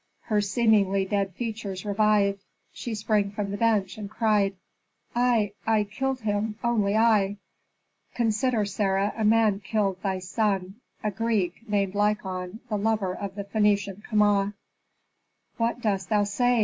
Her seemingly dead features revived. She sprang from the bench, and cried, "I I killed him only I." "Consider, Sarah, a man killed thy son, a Greek, named Lykon, the lover of the Phœnician Kama." "What dost thou say?"